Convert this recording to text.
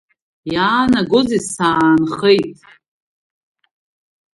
Иаанагозеи саанхеит?!